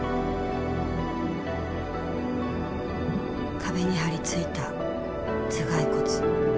壁に張り付いた頭蓋骨。